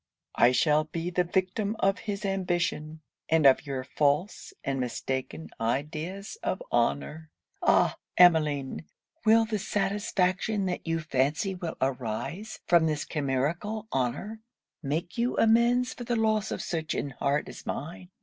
I shall be the victim of his ambition, and of your false and mistaken ideas of honour. 'Ah! Emmeline! will the satisfaction that you fancy will arise from this chimerical honour make you amends for the loss of such an heart as mine!